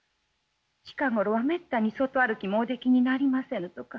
近頃はめったに外歩きもおできになりませぬとか。